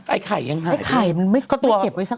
ไอ้ไข่ยังหายด้วยไอ้ไข่มันไม่เก็บไว้สักครู่